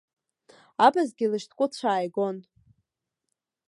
Абазгьы лышьҭкәыцәаа игон!